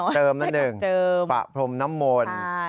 เติมน้ำหนึ่งปะพรมน้ำมนต์